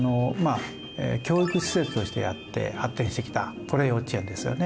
教育施設として発展してきたこれ幼稚園ですよね。